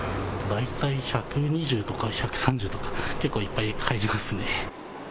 大体１２０とか１３０とか結構いっぱい入ります。